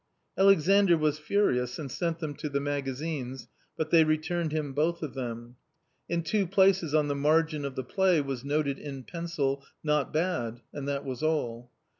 Alexandr was furious and sent them to the magazines, but they returned him both of them. In two places on the margin of the play was noted in pencil " not bad," and that was all.